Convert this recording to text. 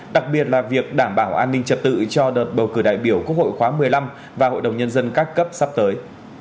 đặc biệt là việc đảm bảo an ninh trật tự cho đợt bầu cử đại biểu quốc hội khóa một mươi năm và hội đồng nhân dân các cấp sắp tới